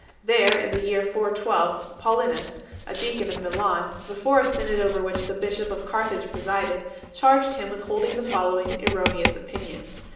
There in the year 412 Paulinus, a deacon of Milan, before a synod over which the bishop of Carthage presided, charged him with holding the following erroneous opinions 2